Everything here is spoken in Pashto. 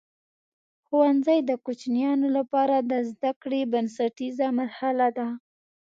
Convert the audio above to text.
ښوونځی د کوچنیانو لپاره د زده کړې بنسټیزه مرحله ده.